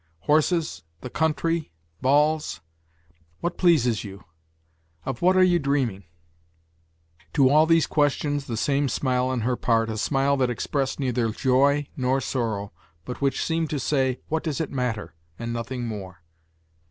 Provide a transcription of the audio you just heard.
Horses, the country, balls? What pleases you? Of what are you dreaming?" To all these questions the same smile on her part, a smile that expressed neither joy nor sorrow, but which seemed to say, "What does it matter?" and nothing more.